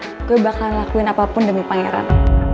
pokoknya gue bakalan lakuin apapun demi pangeran